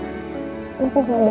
aku mau bawa teman yang sama